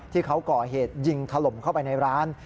ที่เขาก่อเหตุยิงถล่มเข้าไปในร้าน